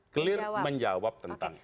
clear menjawab tentang